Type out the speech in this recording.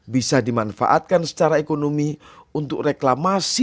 bisa dimanfaatkan secara ekonomi untuk reklamasi